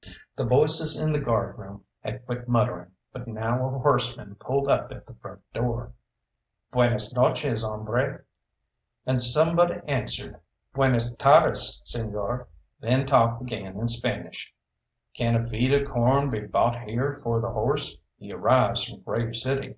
'" The voices in the guardroom had quit muttering, but now a horseman pulled up at the front door. "Buenas noches hombre!" And somebody answered: "Buenas tardes señor!" Then talk began in Spanish. "Can a feed of corn be bought here for the horse? He arrives from Grave City."